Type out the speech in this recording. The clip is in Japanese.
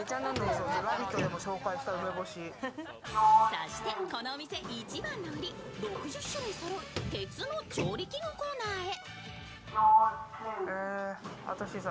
そしてこの店一番の売り６０種類以上そろう鉄の調理器具コーナーへ。